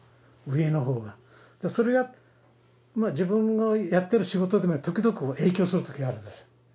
上のほうがそれが自分のやってる仕事でも時々影響する時があるんですよ